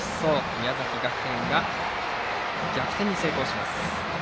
宮崎学園が逆転に成功します。